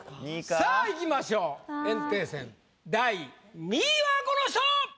さぁいきましょう炎帝戦第２位はこの人！